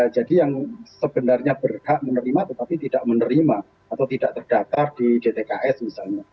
jadi yang sebenarnya berhak menerima tetapi tidak menerima atau tidak terdatar di dtks misalnya